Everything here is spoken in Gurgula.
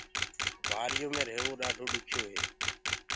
وري يو مي رهيوو ڏآڍو ڏُکيو هي۔